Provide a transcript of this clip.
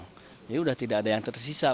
jadi sudah tidak ada yang tersisa